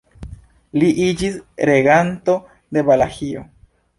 Li iĝis reganto de Valaĥio.